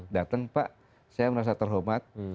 datang pak saya merasa terhormat